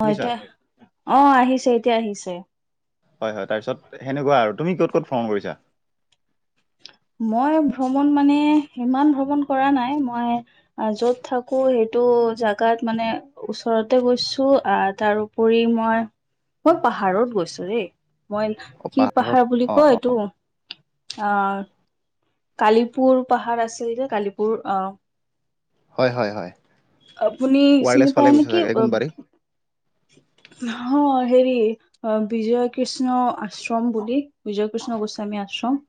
অ' শুনিছা এতিয়া, অ আহিছে এতিয়া আহিছে। হয় হয় তাৰপিছত সেনেকুৱা আৰু তুমি ক'ত ক'ত ভ্ৰণ কৰিছা? মই ভ্ৰমণ মানে ইমান ভ্ৰমণ কৰা নাই। মই আ য'ত থাকোঁ সেইটো জাগাত মানে ওচৰতে গৈছোঁ। আ তাৰ উপৰি মই, মই পাহাৰত গৈছোঁ দেই। মই অ কি পাহাৰত পাহাৰ বুলি অ অ কয় এইটো আ কালিপুৰ পাহাৰ আছে এইটো কালিপুৰ অহ। হয় হয় হয়। আপুনি চিনি ৱাইৰলেছ পায় ফালে গৈছা নেকি চাগে কোনবাদি। হ হেৰি অহ বিজয় কৃষ্ণ আশ্ৰম বুলি, বিজয় কৃষ্ণ গোস্বামী আশ্ৰম।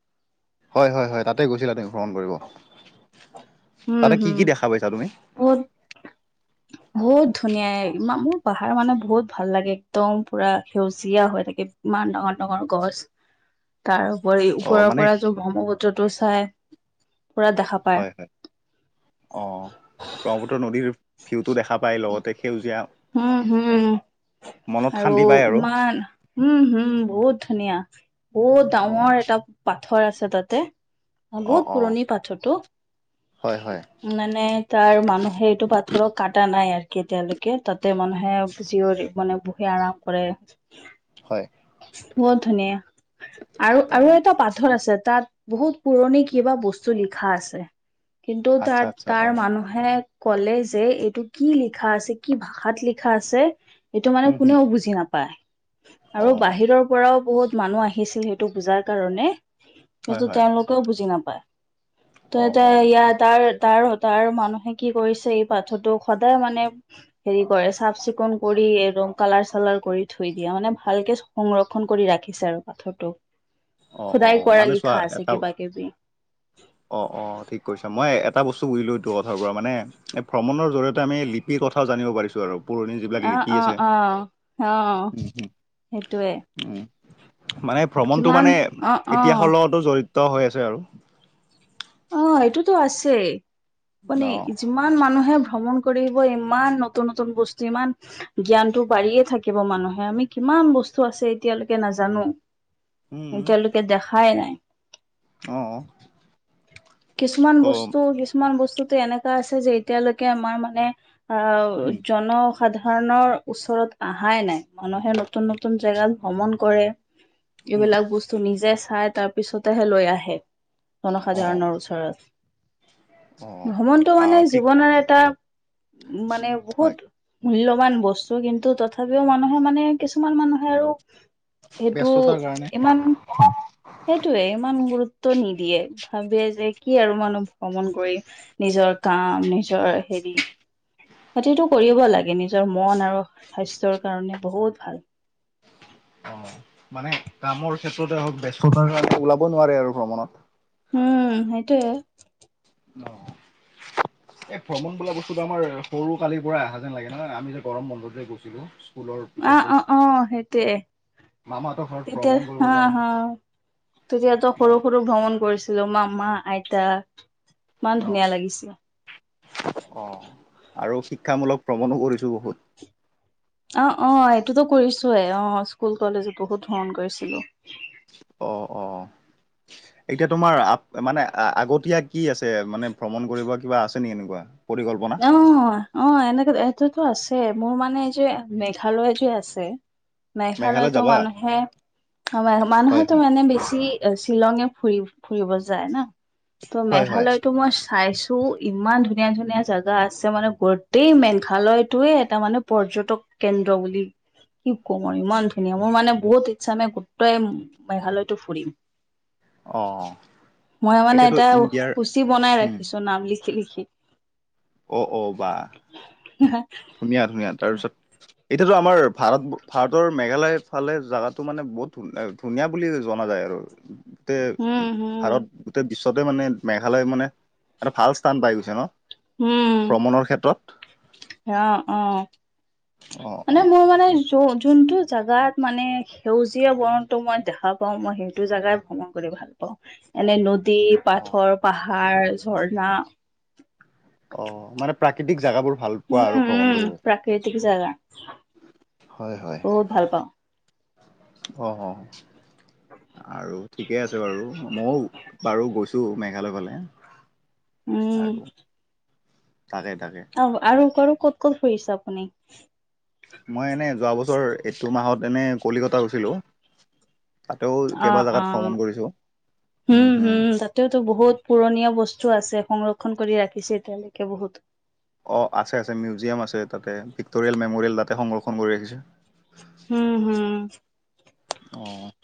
হয় হয় হয় তাতে গৈছিলা তুমি ভ্ৰমণ কৰিব উম তাতে কি হম। কি দেখা পাইছা বহুত [inaudible] বহুত ধুনীয়া এই মাবমোৰ পাহাৰ মানে বহুত ভাল লাগে একদম পুৰা সেউজীয়া হৈ থাকে। ইমান ডাঙৰ ডাঙৰ গছ। [inaudible] তাৰ উপৰি অ ওপৰৰ মানে পৰা য ব্ৰহ্মপুত্ৰটো চাই পুৰা দেখা পায়। অহ ব্ৰহ্মপুত্ৰ নদীৰ ভিউটো দেখা পায়। লগতে সেউজীয়া হম হম মনত আৰু শান্তি পায় ইমান উম হম বহুত ধুনীয়া। বহুত অ ডাঙৰ এটা পাথৰ আছে তাতে। অ' বহুত পুৰণি পাথৰটো। হয় হয়। উম মানে তাৰ মানুহে এইটো পাথৰক কাটা নাই আৰু কেতিয়ালৈকে তাতে মানুহে ফিজীয়ৰি মানে বহি আৰাম কৰে। হয়। বহুত ধুনীয়া। আৰু অ আৰু এটা পাথৰ আছে, তাত বহুত পুৰণি কিবা বস্তু লিখা আছে। ত আচ্ছা তাত আচ্ছা তাৰ অ মানুহ হে ক'লে যে, এইটো কি লিখা আছে, কি ভাষাত লিখা আছে? এইটো মানে উম হুম কোনেও বুজি নাপায়। অ আৰু বাহিৰৰ পৰাও বহুত মানুহ আহিছিল সেইটো পূজাৰ কাৰণে হয় কোনটো হয়। তেওঁলোকেও বুজি নাপায়। অ তই অ এতিয়া ইয়াত তাৰ, তাৰ হ' তাৰ মানুহে কি কৰিছে, এই পাথৰটোক সদায় মানে- হেৰি কৰে, চাফ-চিকুণ কৰি একদম কালাৰ-চালাৰ কৰি থৈ দিয়ে। মানে ভালকে চ- সংৰক্ষণ কৰি ৰাখিছে আৰু পাথৰটোক, অ অ সদায় কৰা মানে লিখা আছে, কিবা-কিবি। অ'অ', ঠিক কৰিছাঁ, মই এটা বস্তু বুজিলোঁ। এইটো কথাৰ পৰা মানে এই ভ্ৰমণৰ জৰিয়তে আমি লি কি কথাও জানিব পাৰিছোঁ আৰু। পুৰণি যিবিলাক অ লিপি অ আছে, অ অ উম্, উম্। সেইটোৱে উম্, মানে ভ্ৰমণটো কিমান মানে, অ অ ইতিহাসৰ লগতো জড়িত হৈ আছে আৰু। অ', এইটোতো আছে, মানে অ। ইমান মানুহে ভ্ৰমণ কৰিব, ইমান নতুন নতুন বস্তু। ইমান জ্ঞানটো বাঢ়িয়ে থাকিব মানুহে, আমি কিমান বস্তু আছে এতিয়ালৈকে নাজানোঁ। উম, এতিয়ালৈকে দেখাই নাই। অ', অ'। কিছুমান ত' বস্তু, কিছুমান বস্তুতো এনেকুৱা আছে যে, এতিয়ালৈকে আমাৰ মানে আ, উম। জন- সাধাৰণৰ ওচৰত অহাই নাই, যেনেকে নতুন নতুন জেগাত ভ্ৰমণ কৰে। উম, এইবিলাক বস্তু নিজে চাই তাৰ পিছতেহে লৈ আহে। অ', জনসাধাৰণৰ অ', অ', ভ্ৰমণটো মানে আহ ঠিক জীৱনৰ এটা উম্, মানে হয় বহুত মূল্যৱান বস্তু, কিন্তু তথাপিও মানে মই মানে, কিছুমান মানুহে আৰু সেইটো ব্যস্ততাৰ কাৰণে ইমান সেইটোয়ে, ইমান গুৰুত্ব নিদিয়ে। ভাবে যে কি আৰু মানুহ ভ্ৰমণ কৰি, নিজৰ কাম নিজৰ হেৰি সতিটো কৰিব লাগে, নিজৰ মন আৰু স্বাস্থ্যৰ কাৰণে বহুত ভাল। অ', মানে কামৰ ক্ষেত্ৰতে হওঁক, ব্যস্ততাৰ কাৰণে ওলাব নোৱাৰে আৰু ভ্ৰমণত। উম্, সেইটোয়ে। অ', এই ভ্ৰমণ বোলা বস্তুটো আমাৰ সৰু কালিৰ পৰা অহা যেন লাগে নহয়, আমি যে গৰম বন্ধত যে গৈছিলোঁ। অ'অ'অ', সেইটোৱে, মামাহঁতৰ ঘৰত তেতিয়া ভ্ৰমণ কৰিব হা যাওঁ হা তেতিয়াতো অ। সৰু সৰু ভ্ৰমণ কৰিছিলোঁ, মামা, আইতা, ইমান অ ধুনীয়া লাগিছিল। অ', আৰু শিক্ষামূলক ভ্ৰমণো কৰিছোঁ বহুত। অ', অ', এইটোতো কৰিছোয়েই, অ', স্কুল কলেজত বহুত ভ্ৰমণ কৰিছিলোঁ। অ', অ', এতিয়া তোমাৰ অ'মানে আগতীয়া কি আছে, মানে ভ্ৰমণ কৰিব কিবা আছে নেকি এনেকুৱা? পৰিকল্পনা। অ', অ', এনেক এইটোতো আছে, মোৰ মানে যে মেঘালয় যে আছে। মেঘালয় মেঘালয়তো যাবা মানুহে, হয় মানুহেতো হয় মানে বেছি এ শ্বিলঙে ফুৰি, ফুৰিব যায় ন। ত' হয় হয় মেঘালয়টো মই চাইছোঁ। ত' ইমান ধুনীয়া ধুনীয়া জাগা জাগা আছে মানে, গোটেই মেঘালয়টোয়ে এটা মানে পৰ্যটক কেন্দ্ৰ বুলি কি কম আৰু ইমান ধুনীয়া, মোৰ মানে বহুত ইচ্ছা মে কটোৱে মেঘালয়টো ফুৰিম। অ মই মানে এতিয়াতো এটা ইণ্ডিয়াৰ শুচী বনাই উম ৰাখিছোঁ, নাম লিখি লিখি। অ', অ', বা। হ ধুনীয়া, ধুনীয়া তাৰপিছত। এতিয়াতো আমাৰ ভাৰত, ভাৰতৰ মেঘালয়ৰ ফালে জাগাতো মানে বহুত আ, ধুনীয়া বুলি জনা যায় আৰু। তে উম, হম, ভাৰত গোটেই বিশ্বতে মানে, মেঘালয় মানে, এটা ভাল স্থান পাই গৈছে ন। উম, ভ্ৰমণৰ ক্ষেত্ৰত। অ', অ' অ মানে মোৰ মানে চ', যোনটো জেগাত মানে সেউজীয়া বৰণটো মই দেখা পাওঁ, মই সেইটো জেগাই ভ্ৰমণ কৰি ভাল এনে নদী, অ পাথৰ, পাহাৰ, ঝৰ্ণা। অ', মানে প্ৰাকৃতিক জাগাবোৰ ভাল পোৱা আৰু উম ভ্ৰমণ উম কৰিব। [unintelligible] হয়, হয় বহুত ভাল পাওঁ অ', অ'। আৰু ঠিকে আছে বাৰু, মইও বাৰু গৈছো মেঘালয় ফালে। উম আৰু তাকে তাকে। অহ, আৰু কৰে ক'ত ক'ত ফুৰিছে আপুনি? মই এনে যোৱা বছৰ এইটো মাহত এনে কলিকতা গৈছিলোঁ। তাতেও অ কেইবা অ জাগাত ভ্ৰমণ কৰিছোঁ, উম, হম। এতিয়াওতো বহুত পুৰণীয়া বস্তু আছে, সংৰক্ষণ কৰি ৰাখিছে এতিয়ালৈকে বহুত। অ', আছে আছে মিউজিয়াম আছে তাতে, ভিক্টৰিয়েল মেমৰিয়েল তাতে সংৰক্ষণ কৰি ৰাখিছে। হম, হুম। অ'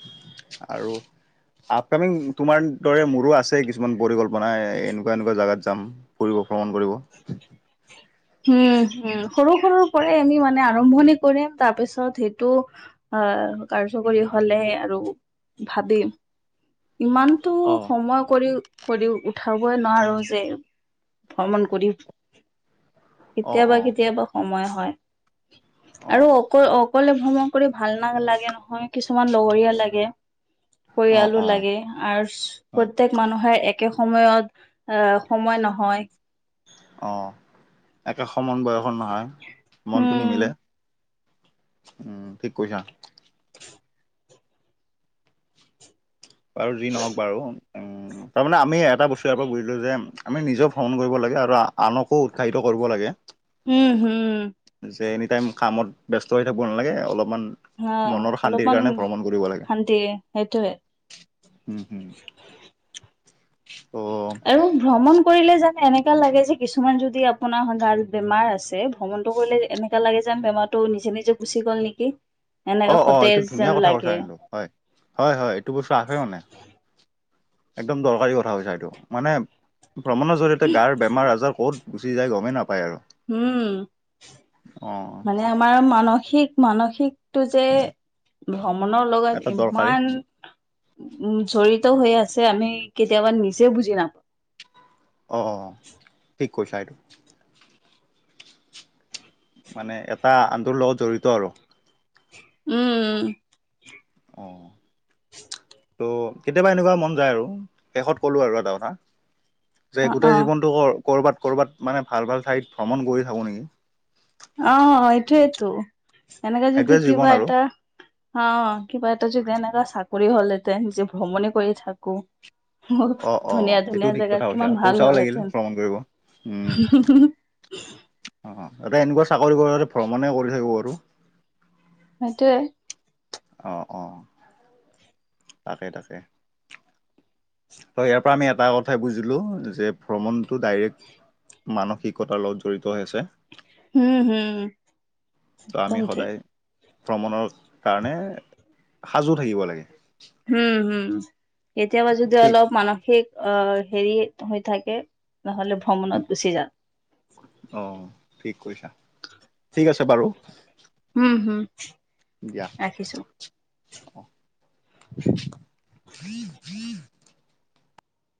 আৰু। আপকামিং তোমাৰ দৰে মোৰো আছে, কিছুমান পৰিকল্পনা এনেকুৱা এনেকুৱা জাগাত যাম। ফুৰিব ভ্ৰমণ কৰিব। উম, উম, সৰু সৰু পৰাই আমি মানে আৰম্ভণি কৰিম তাৰপিছত সেইটো। অ', কাৰ্যকৰী হ'লে আৰু ভাবিম। ইমানতটো অ সময় কৰি। কৰি উঠাবই নোৱাৰো যে ভ্ৰমণ কৰি। অ', কেতিয়াবা অ', কেতিয়াবা সময় হয় আৰু অ', অকল অক কলে ভ্ৰমণ কৰি ভাল ন লাগে নহয়, কিছুমান লগৰীয়া লাগে অ', পৰিয়ালো লাগে। অ', আৰু হয় প্ৰত্যেক মানুহে একে সময়ত আ, সময় নহয়। অ', একে সমান বয়সৰ নহয়, মনটো নিমিলে। উম, উম, ঠিক কৈছা। বাৰু যি নহওক বাৰু উম, তাৰমানে আমি এটা বস্তু ইয়াৰ পৰা বুজিলো যে আমি নিজেও ভ্ৰমণ কৰিব লাগে আৰু আনকো উৎসাহিত কৰিব লাগে। উম, হুম। যে, এনি টাইম কামত ব্যস্ত হৈ থাকিব নালাগে, অলপমান অ', মনৰ শান্তিৰ অলপমান কাৰণে ভ্ৰমণ কৰিব লাগে শান্তি সেইটোয়ে। উম, হুম। অ'। আৰু ভ্ৰমণ কৰিলে জানে এনেকা লাগে যে, কিছুমান যদি আপোনাৰ [unintelligible] বেমাৰ আছে। ভ্ৰমণতটো কৰিলে এনেককা লাগে যে, বেমাৰতটো নিজে নিজে গুচি গ'ল নেকি? এনেকে অ', অ', এইটো সতেজ ধুনীয়া যেন কথা কৈছা লাগে। কিন্তু হয়, হয়, হয় এইটো বস্তু আহে মানে। একদম দৰকাৰী কথা কৈছা এইটো, মানে ভ্ৰমণৰ জৰিয়তে গাৰ বেমাৰ-আজাৰ ক'ত গুচি যায়, গমেই নাপায় আৰু। উম অ'। মানে আমাৰ মানসিক মানসিকটো যে ভ্ৰমণৰ এটা লগত দৰকাৰী ইমান উম জড়িত হৈ আছে আমি কেতিয়াবা নিজে বুজি নাপ অঁ অঁ ঠিক কৈছা এইটো মানে এটা আনটোৰ লগত জড়িত আৰু উম অঁ ত'কেতিয়াবা এনেকুৱা মন যায় আৰু শেষত কলো আৰু এটা কথা। যে অ গোটেই জীৱনটো কৰ কৰবাত কৰবাত মানে ভাল ভাল ঠাইত ভ্ৰমণ কৰি থাকো নেকি অ এইটোয়েতো। এনেকে যদি সেইটোৱে জীৱন কিবা আৰু এটা অ', কিবা এটা যদি এনেকা চাকৰি হ'লহেতেন যে ভ্ৰমণে কৰি থাকো। মোৰ অ অ ধুনীয়া সেইটোও ধুনীয়া ঠিক জেগা কথা কৈছা কিমান ভাল পইচাও লাগিল হ'লহেতেন। ভ্ৰমণ কৰিব উম [unintelligible] অ অ এটা এনেকুৱা চাকৰি হোৱা হ'লে, ভ্ৰমণে কৰি থাকিব পাৰো। সেইটোৱে। অ অ তাকে তাকে। ত' ইয়াৰ পৰা আমি এটা কথাই বুজিলোঁ যে ভ্ৰমণটো ডাইৰেক্ট মানসিকতাৰ লগত জড়িত হৈ আছে। হম হম ত' একদম আমি ঠিক সদায় ভ্ৰমণৰ কাৰণে সাজু থাকিব লাগে। হম হম কেতিয়াবা যদি ঠিক অলপ মানসিক অ হেৰি হৈ থাকে নহ'লে ভু অ' ঠিক কৈছা। ঠিক আছে বাৰু। হম হম দিয়া। ৰাখিছো